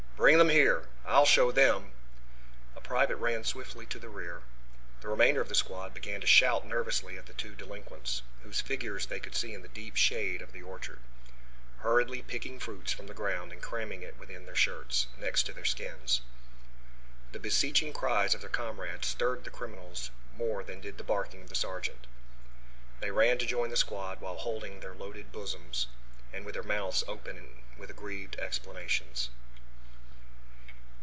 "Bring them here! I'll show them " A private ran swiftly to the rear. The remainder of the squad began to shout nervously at the two delinquents, whose figures they could see in the deep shade of the orchard, hurriedly picking fruit from the ground and cramming it within their shirts, next to their skins. The beseeching cries of their comrades stirred the criminals more than did the barking of the sergeant. They ran to rejoin the squad, while holding their loaded bosoms and with their mouths open with aggrieved explanations.